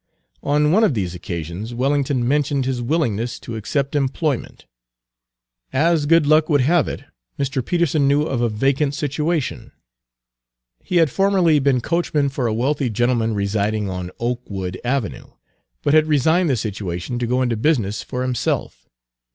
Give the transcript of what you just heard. On one of these occasions Wellington mentioned his willingness to accept employment. As good luck would have it, Mr. Peterson knew of a vacant situation. He had formerly been coachman for a wealthy gentleman residing on Oakwood Avenue, but had resigned the situation to go into business for himself.